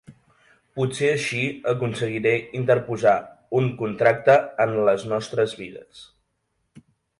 Potser així aconseguiré interposar un contracte en les nostres vides.